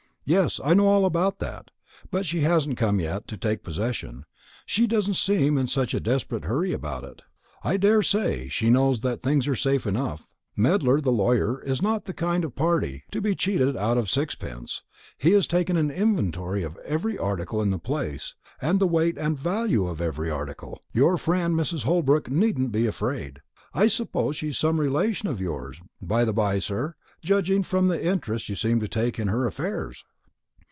"Yes, I know all about that; but she hasn't come yet to take possession; she doesn't seem in such a desperate hurry about it. I daresay she knows that things are safe enough. Medler the lawyer is not the kind of party to be cheated out of sixpence. He has taken an inventory of every article in the place, and the weight and value of every article. Your friend Mrs. Holbrook needn't be afraid. I suppose she's some relation of yours, by the bye, sir, judging by the interest you seem to take in her affairs?"